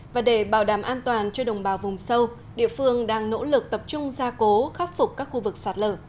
và để bảo đảm an toàn cho đồng bào vùng sâu địa phương đang nỗ lực tập trung gia cố khắc phục các khu vực sạt lở